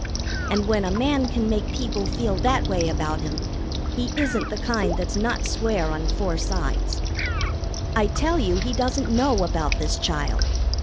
And when a man can make people feel that way about him, he isn't the kind that's not square on four sides. "I tell you, he doesn't know about this child.